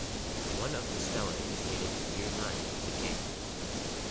One of the stelae is dated to year nine of the king.